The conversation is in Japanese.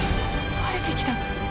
晴れてきた。